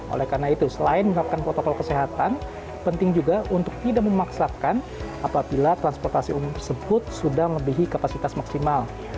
oleh karena itu selain menerapkan protokol kesehatan penting juga untuk tidak memaksakan apabila transportasi umum tersebut sudah melebihi kapasitas maksimal